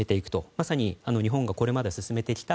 まさに日本がこれまで進めてきた